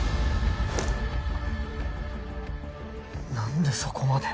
なんでそこまで。